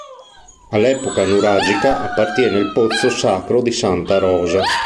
All'epoca nuragica appartiene il pozzo sacro di Santa Rosa.